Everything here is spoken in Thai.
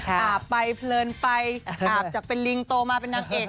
อาบไปเพลินไปอาบจากเป็นลิงโตมาเป็นนางเอก